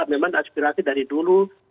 memang aspirasi dari dulu